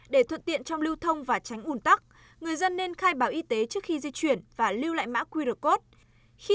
để thuận tiện trong lưu thông và tránh ủn tắc người dân nên khai báo y tế trước khi di chuyển và lưu lại mã qr code